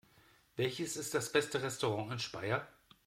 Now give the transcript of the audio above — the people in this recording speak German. Welches ist das beste Restaurant in Speyer?